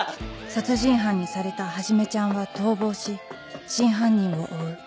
殺人犯にされたはじめちゃんは逃亡し真犯人を追う